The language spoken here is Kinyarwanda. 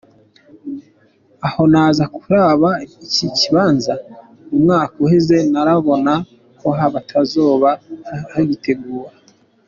Aho naza kuraba iki kibanza mu mwaka uheze, narabona ko batazoba baritegura.